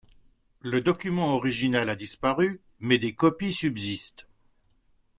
Le document original a disparu, mais des copies subsistent.